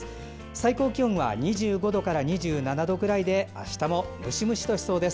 最高気温は２５度から２７度くらいであしたもムシムシとしそうです。